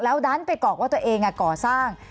ดันไปกรอกว่าตัวเองก่อสร้าง